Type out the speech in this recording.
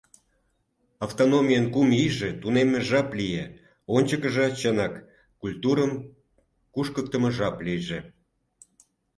Автономийын кум ийже тунемме жап лие, ончыкыжо чынак культурым кушкыктымо жап лийже.